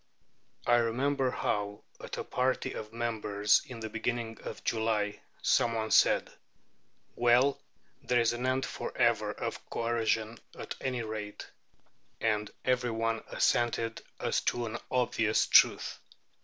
I remember how, at a party of members in the beginning of July, some one said, "Well, there's an end for ever of coercion at any rate," and every one assented as to an obvious truth.